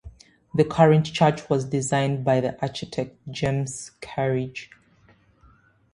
The current church was designed by the architect James Kerridge.